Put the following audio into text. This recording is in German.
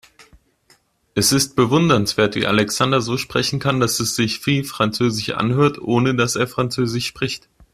Es ist bewundernswert, wie Alexander so sprechen kann, dass es sich wie französisch anhört, ohne dass er französisch spricht.